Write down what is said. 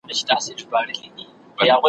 څوک یې نه لیدی پر مځکه چي دښمن وي `